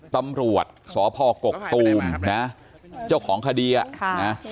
ตำรวจสพกกตูมนะเจ้าของคดีอ่ะค่ะนะ